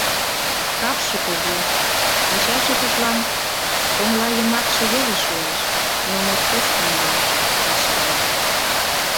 Капше кугу — ачаже тудлан коҥлайымакше веле шуэш — но моткоч каҥга, вишкыде.